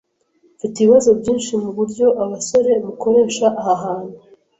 Mfite ibibazo byinshi muburyo abasore mukoresha aha hantu.